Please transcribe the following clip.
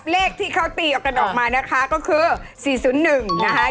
เลขที่เขาตีออกกันออกมานะคะก็คือ๔๐๑นะคะ